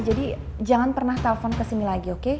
jadi jangan pernah telepon kesini lagi oke